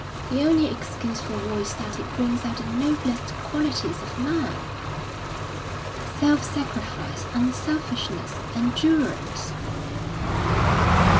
"The only excuse for war is that it brings out the noblest qualities of man self sacrifice, unselfishness, endurance."